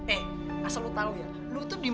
eh asal lu tahu ya lu tuh dimana